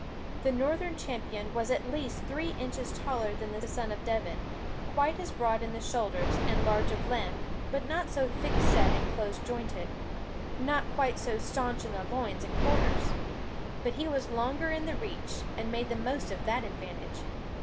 The Northern Champion was at least three inches taller than the Son of Devon, quite as broad in the shoulders and large of limb, but not so thick set and close jointed, not quite so stanch in the loins and quarters. But he was longer in the reach, and made the most of that advantage.